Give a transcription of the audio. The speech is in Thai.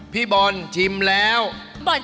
ไอ้กะถิ่นที่เตรียมไว้เนี่ยไม่ต้อง